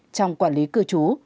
trong quản lý cư chú